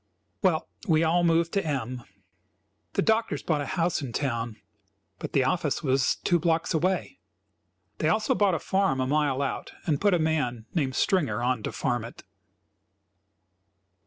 Well, we all moved to M . The doctors bought a house in town, but the office was two blocks away. They also bought a farm a mile out, and put a man, named Stringer, on to farm it.